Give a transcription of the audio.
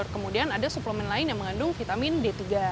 kemudian ada suplemen lain yang mengandung vitamin d tiga